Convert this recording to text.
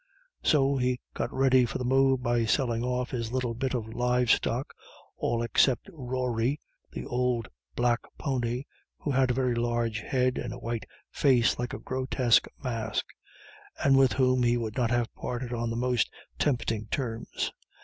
So he got ready for the move by selling off his little bit of live stock, all except Rory, the old black pony, who had a very large head and a white face like a grotesque mask, and with whom he would not have parted on the most tempting terms.